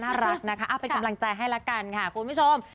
น้ารักนะคะเอาเป็นคำลังใจให้แล้วกันคุณผู้ชม